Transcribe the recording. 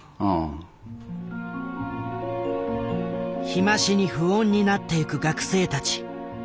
日増しに不穏になっていく学生たち。